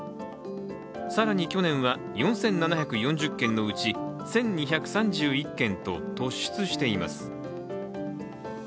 更に去年は４７４０件のうち１２３１件と突出しています。